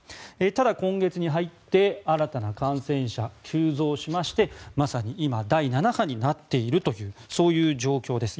ただ今月に入って、新たな感染者急増しましてまさに今第７波になっているというそういう状況です。